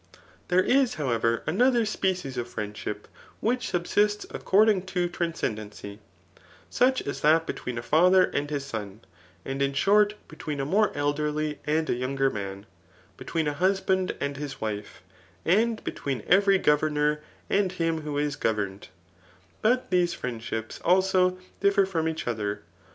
There Is, however, another species of fnendship, which subsists according to transcei\dency ; such as that between a father and his son, and in short between a mme elderly and a younger man, between a husband and his wife, and between every governor and him who is governed* But these friendships, also, diflfer from each other.